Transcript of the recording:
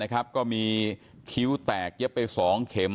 ก็มีคิ้วแตกเย็บไป๒เข็ม